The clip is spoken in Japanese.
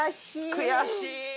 悔しい。